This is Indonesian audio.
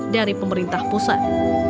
dari pemerintah pusat